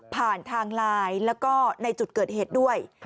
ผ่านทางไลน์แล้วก็ในจุดเกิดเหตุด้วย